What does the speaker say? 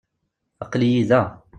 Aqel-iyi da.